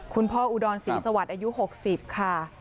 คุณพ่ออุดรศรีสวรรค์อายุ๖๐ค่ะ